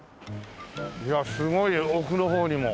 いやすごいよ奥の方にも。